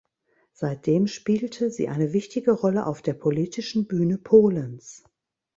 Seitdem spielte sie eine wichtige Rolle auf der politischen Bühne Polens.